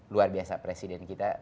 luar biasa presiden kita